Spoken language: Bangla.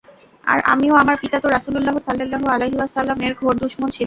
আর আমি ও আমার পিতা তো রাসূলুল্লাহ সাল্লাল্লাহু আলাইহি ওয়াসাল্লামের ঘোর দুশমন ছিলাম।